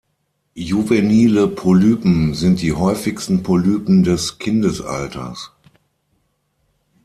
Juvenile Polypen sind die häufigsten Polypen des Kindesalters.